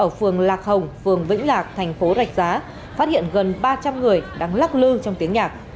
ở phường lạc hồng phường vĩnh lạc thành phố rạch giá phát hiện gần ba trăm linh người đang lắc lư trong tiếng nhạc